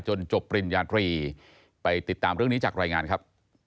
จบปริญญาตรีไปติดตามเรื่องนี้จากรายงานครับ